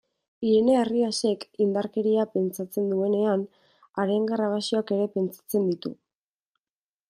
Irene Arriasek, indarkeria pentsatzen duenean, haren grabazioak ere pentsatzen ditu.